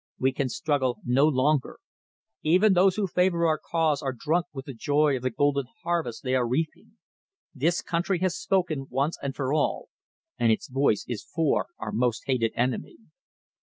We can struggle no longer. Even those who favour our cause are drunk with the joy of the golden harvest they are reaping. This country has spoken once and for all, and its voice is for our most hated enemy."